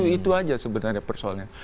itu saja sebenarnya persoalnya